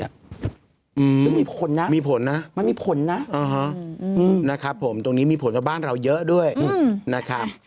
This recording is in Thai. ซึ่งมีผลนะมีผลนะมันมีผลนะนะครับผมตรงนี้มีผลกับบ้านเราเยอะด้วยนะครับ